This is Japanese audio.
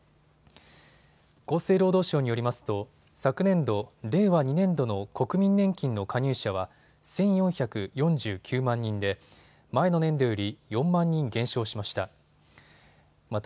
厚生労働省によりますと昨年度、令和２年度の国民年金の加入者は１４４９万人で前の年前より４万人減少しました。